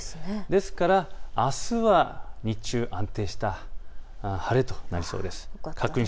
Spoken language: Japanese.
ですからあすは日中安定した晴れとなりそうです。